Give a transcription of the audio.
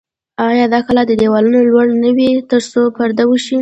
آیا د کلا دیوالونه لوړ نه وي ترڅو پرده وشي؟